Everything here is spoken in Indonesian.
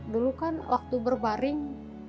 dulu kan waktu berbaring